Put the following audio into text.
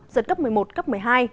giật cấp một mươi một cấp một mươi hai